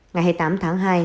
ngày hai mươi tám tháng hai